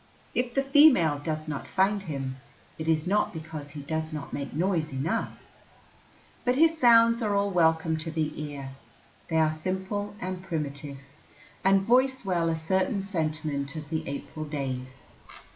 If the female does not find him, it is not because he does not make noise enough. But his sounds are all welcome to the ear. They are simple and primitive, and voice well a certain sentiment of the April days.